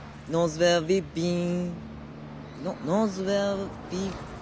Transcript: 「ノーズウェアウイッビーン」。